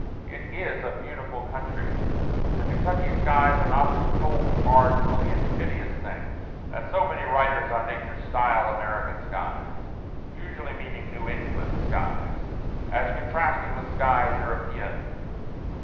It is a beautiful country; the Kentucky skies are not the cold, hard, brilliant, hideous things that so many writers on nature style American skies (usually meaning New England skies), as contrasted with skies European.